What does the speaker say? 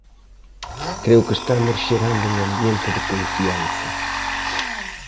Creo que estamos xerando un ambiente de confianza.